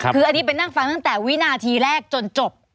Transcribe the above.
คืออันนี้ไปนั่งฟังตั้งแต่วินาทีแรกจนจบ